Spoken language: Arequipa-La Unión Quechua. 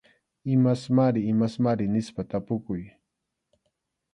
Imasmari imasmari nispa tapukuy.